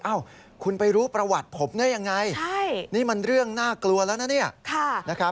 อ้าวคุณไปรู้ประวัติผมนี่ยังไงนี่มันเรื่องน่ากลัวแล้วนะ